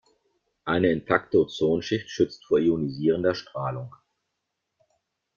Eine intakte Ozonschicht schützt vor ionisierender Strahlung.